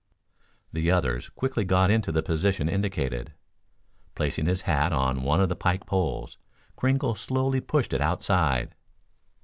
The others quickly got into the position indicated. Placing his hat on one of the pike poles, Kringle slowly pushed it outside.